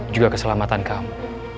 juga keselamatan kamu